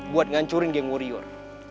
buat ngancurin geng warrior